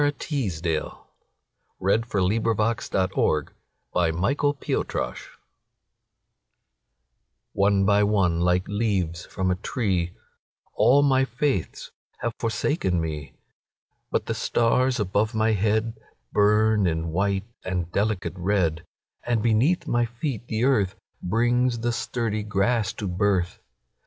The New Poetry: An Anthology. 1917. Leaves By Sara Teasdale ONE by one, like leaves from a tree, All my faiths have forsaken me; But the stars above my headBurn in white and delicate red, And beneath my feet the earthBrings the sturdy grass to birth.